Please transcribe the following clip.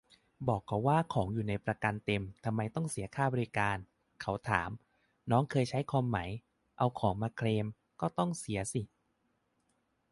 บอกเขาว่าของอยู่ในประกันเต็ม ทำไมต้องเสียค่าบริการ เขาถาม น้องเคยใช้คอมไหม เอาของมาเคลมก็ต้องเสียสิ